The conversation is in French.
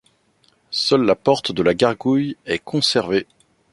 Seule la porte de la Gargouille est conservée.